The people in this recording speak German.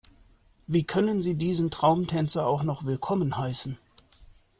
Wie können Sie diesen Traumtänzer auch noch willkommen heißen?